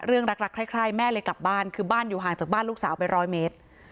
รักใครแม่เลยกลับบ้านคือบ้านอยู่ห่างจากบ้านลูกสาวไปร้อยเมตร